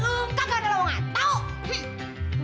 lo enak anak ada lowongan tau